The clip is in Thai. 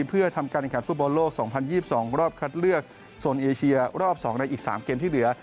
เพื่อทำการแข่งขันฟุตบอลโลก๒๐๒๒รอบคัดเลือกโซนเอเชียรอบ๒ในอีก๓เกมที่เหลือ